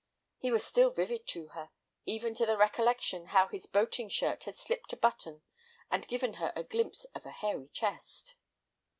He was still vivid to her, even to the recollection how his boating shirt had slipped a button and given her a glimpse of a hairy chest.